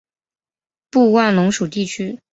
布万龙属地区。